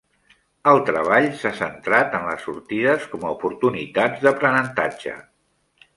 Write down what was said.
El treball s'ha centrat en les sortides com a oportunitats d'aprenentatge.